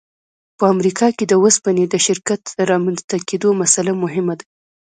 په امریکا کې د اوسپنې د شرکت د رامنځته کېدو مسأله مهمه ده